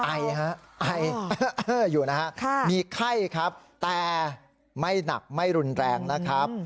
ไอฮะไออยู่นะฮะมีไข้ครับแต่ไม่หนักไม่รุนแรงนะครับ